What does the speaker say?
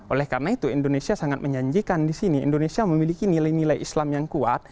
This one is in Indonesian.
oleh karena itu indonesia sangat menjanjikan di sini indonesia memiliki nilai nilai islam yang kuat